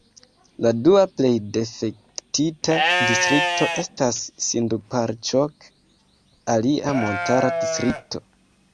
La dua plej difektita distrikto estas Sindupalĉok, alia montara distrikto.